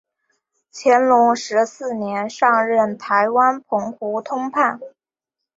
乾隆十四年上任台湾澎湖通判。